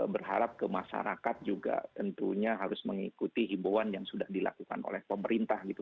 berharap ke masyarakat juga tentunya harus mengikuti himbauan yang sudah dilakukan oleh pemerintah gitu